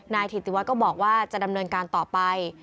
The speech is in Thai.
ถิติวัฒน์ก็บอกว่าจะดำเนินการต่อไป